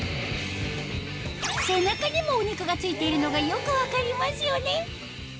背中にもお肉がついているのがよく分かりますよね